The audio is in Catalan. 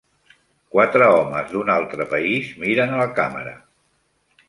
Quatre homes d'un altre país miren a la càmera.